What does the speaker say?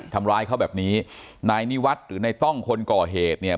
ทำร้ายเขาแบบนี้นายนิวัฒน์หรือนายต้องคนก่อเหตุเนี่ย